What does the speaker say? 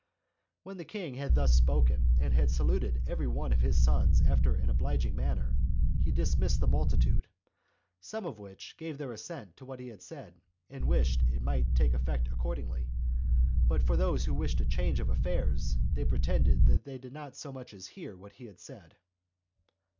When the king had thus spoken, and had saluted every one of his sons after an obliging manner, he dismissed the multitude; some of which gave their assent to what he had said, and wished it might take effect accordingly; but for those who wished for a change of affairs, they pretended they did not so much as hear what he said.